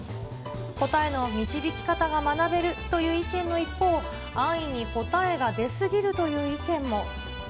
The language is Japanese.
答えの導き方が学べるという意見の一方、安易に答えが出すぎるという意見も。